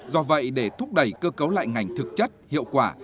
do vậy để thúc đẩy cơ cấu lại ngành thực chất hiệu quả